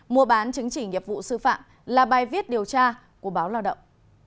mua bán chứng chỉ nghiệp vụ sư phạm là bài viết điều tra của báo lao động